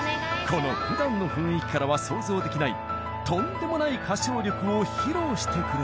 この普段の雰囲気からは想像できないとんでもない歌唱力を披露してくれた。